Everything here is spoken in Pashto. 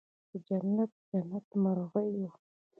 د جنت، جنت مرغېو